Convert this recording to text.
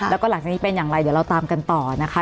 แล้วก็หลังจากนี้เป็นอย่างไรเดี๋ยวเราตามกันต่อนะคะ